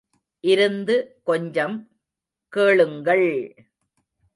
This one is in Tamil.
இருந்து கொஞ்சம் கேளுங்கள்!